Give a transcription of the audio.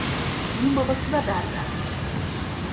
Onun babası da berbermiş.